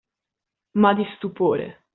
Ma di stupore.